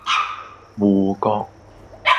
芋角